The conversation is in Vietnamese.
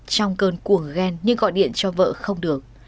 trong cơn cuồng ghen nhưng gọi điện cho vợ không được